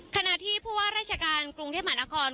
ขณะที่ผู้ว่าราชการกรุงเทพมหานคร